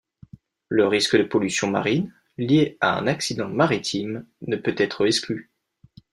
Le risque de pollution marine liée à un accident maritime ne peut être exclu.